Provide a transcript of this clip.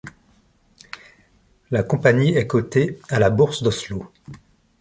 La compagnie est cotée à la bourse d'Oslo.